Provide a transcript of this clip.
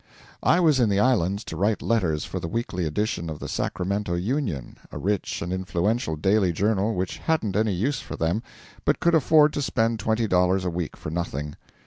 I was in the islands to write letters for the weekly edition of the Sacramento 'Union,' a rich and influential daily journal which hadn't any use for them, but could afford to spend twenty dollars a week for nothing.